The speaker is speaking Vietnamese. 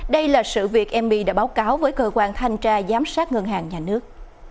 đây là sự việc mb đã báo cáo với cơ quan thanh tra giám sát ngân hàng nhà nước